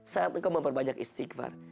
saat engkau memperbanyak istighfar